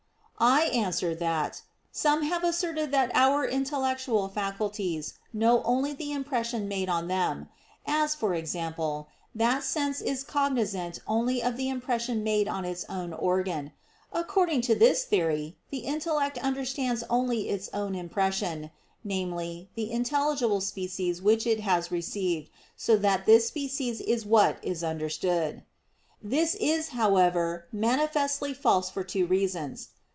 I answer that, Some have asserted that our intellectual faculties know only the impression made on them; as, for example, that sense is cognizant only of the impression made on its own organ. According to this theory, the intellect understands only its own impression, namely, the intelligible species which it has received, so that this species is what is understood. This is, however, manifestly false for two reasons.